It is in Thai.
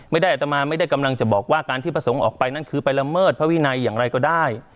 อัตมาไม่ได้กำลังจะบอกว่าการที่พระสงฆ์ออกไปนั่นคือไปละเมิดพระวินัยอย่างไรก็ได้